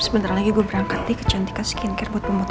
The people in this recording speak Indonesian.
sebentar lagi gue berangkat nih ke jantikan skincare buat pemotretan